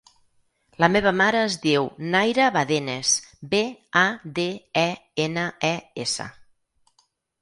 La meva mare es diu Naira Badenes: be, a, de, e, ena, e, essa.